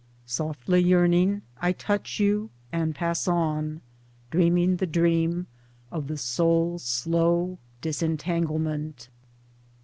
Softly yearningly I touch you, and pass on — dreaming the dream of the soul's slow disentanglement.